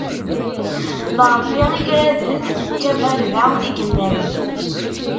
D Ṛebbi i iraden, d tabarda i yemmalen.